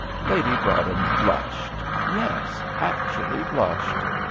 Lady Broadhem blushed yes, actually blushed.